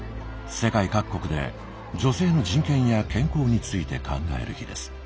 世界各国で女性の人権や健康について考える日です。